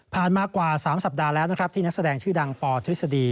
มากว่า๓สัปดาห์แล้วนะครับที่นักแสดงชื่อดังปทฤษฎี